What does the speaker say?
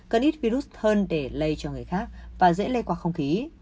cần ít virus hơn để lây cho người khác và dễ lây qua không khí